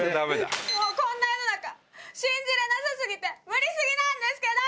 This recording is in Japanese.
もうこんな世の中信じれなさ過ぎて無理過ぎなんですけど！